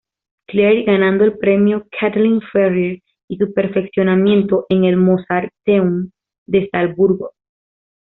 Clair ganando el "Premio Kathleen Ferrier" y su perfeccionamiento en el "Mozarteum" de Salzburgo.